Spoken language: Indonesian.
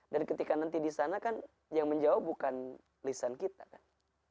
ketika nanti di sana kan yang menjawab bukan lisan kita kan